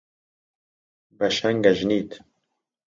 بە شەنگەژنیت